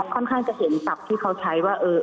ค่อนข้างจะเห็นตับที่เขาใช้ว่า